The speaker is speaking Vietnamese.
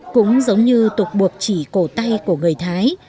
cũng giống như tục buộc chỉ cổ tay của người thái